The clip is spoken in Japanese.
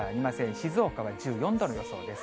静岡は１４度の予想です。